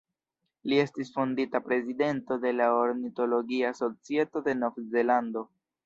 Li estis fondinta Prezidento de la Ornitologia Societo de Novzelando.